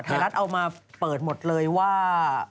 ไทยรัฐเอามาเปิดหมดเลยว่า